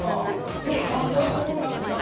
その３本ともなくなった？